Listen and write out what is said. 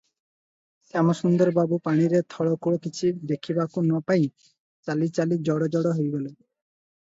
ଶ୍ୟାମସୁନ୍ଦର ବାବୁ ପାଣିରେ ଥଳକୂଳ କିଛି ଦେଖିବାକୁ ନ ପାଇ ଚାଲିଚାଲି ଜଡ଼ଜଡ଼ ହୋଇଗଲେ ।